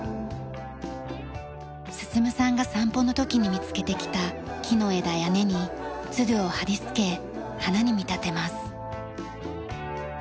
進さんが散歩の時に見つけてきた木の枝や根に鶴を貼りつけ花に見立てます。